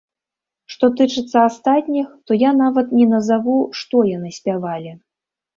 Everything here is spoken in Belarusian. Што тычыцца астатніх, то я нават не назаву, што яны спявалі.